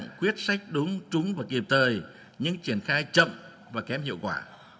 giải quyết sách đúng trúng và kịp thời nhưng triển khai chậm và kém hiệu quả